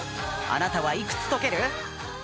あなたはいくつ解ける？